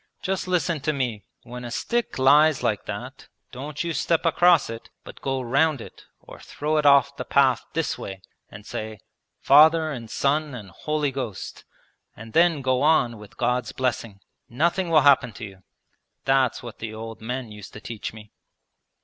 Just listen to me. When a stick lies like that don't you step across it, but go round it or throw it off the path this way, and say "Father and Son and Holy Ghost," and then go on with God's blessing. Nothing will happen to you. That's what the old men used to teach me.'